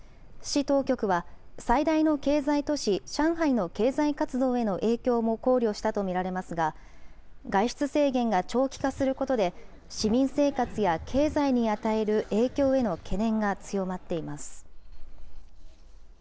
市当局は、最大の経済都市、上海の経済活動への影響も考慮したと見られますが、外出制限が長期化することで、市民生活や経済に与える影響への懸念が強まっています。